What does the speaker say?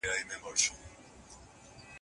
د پلرونو فکري بهير تر ننني بهير توپير لري.